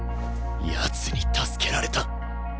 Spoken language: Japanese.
やつに助けられた。